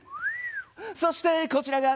そしてこちらが。